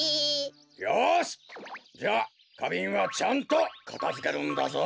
よしじゃあかびんはちゃんとかたづけるんだぞ！